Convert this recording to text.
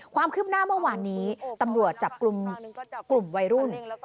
ความขึ้นหน้าเมื่อวานนี้ตำรวจจับกลุ่มวัยรุ่น